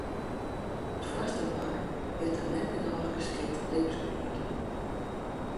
Op it foarste plak is der net genôch geskikt libbensgebiet.